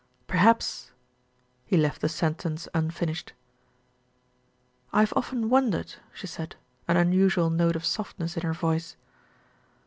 "Perhaps " He left the sentence unfinished. "I have often wondered," she said, an unusual note of softness in her voice.